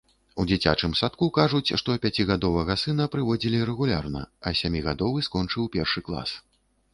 У дзіцячым садку кажуць, што пяцігадовага сына прыводзілі рэгулярна, а сямігадовы скончыў першы клас.